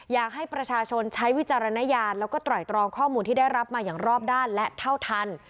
อยากให้ประชาชนใช้วิจารณญาณแล้วก็ไตรตรองข้อมูลที่ได้รับมาอย่างรอบด้านและเท่าทัน